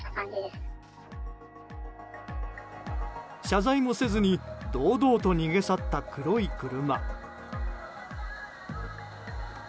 謝罪もせずに堂々と逃げ去った黒い車。